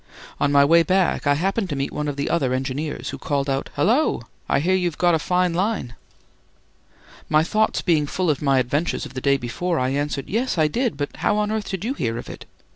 On my way back I happened to meet one of the other engineers, who called out, "Hallo! I hear you have got a fine line." My thoughts being full of my adventures of the day before, I answered: "Yes, I did; but how on earth did you hear of it?"